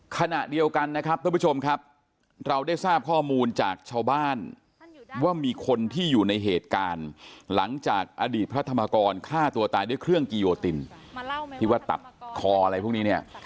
ขณะเดียวกันนะครับท่านผู้ชมครับเราได้ทราบข้อมูลจากชาวบ้านว่ามีคนที่อยู่ในเหตุการณ์หลังจากอดีตพระธรรมกรฆ่าตัวตายด้วยเครื่องกิโยตินที่ว่าตัดคออะไรพวกนี้เนี่ย